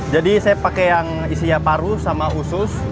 jadi saya pakai yang isinya paru sama usus